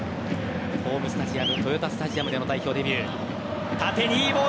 ホームスタジアム豊田スタジアムでの代表デビュー。